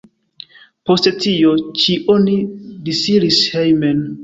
Post tio ĉi oni disiris hejmen.